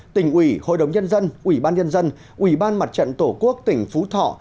tỉnh ủy hội đồng nhân dân ủy ban nhân dân ủy ban mặt trận tổ quốc tỉnh phú thọ